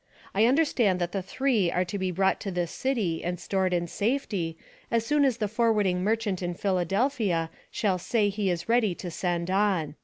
I understand that the three are to be brought to this city and stored in safety, as soon as the forwarding merchant in Philadelphia shall say he is ready to send on.